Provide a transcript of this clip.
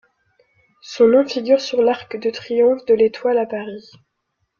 Son nom figure sur l'arc de triomphe de l'Étoile, à Paris.